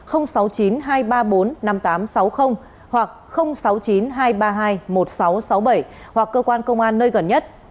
hoặc sáu mươi chín hai trăm ba mươi hai một nghìn sáu trăm sáu mươi bảy hoặc cơ quan công an nơi gần nhất